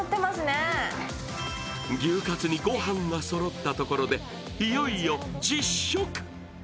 牛カツにごはんがそろったところでいよいよ実食。